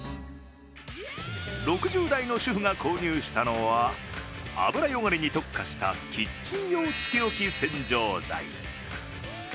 ６０代の主婦が購入したのは油汚れに特化したキッチン用つけ置き洗浄剤。